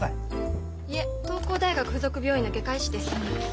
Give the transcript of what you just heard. いえ東光大学付属病院の外科医師です。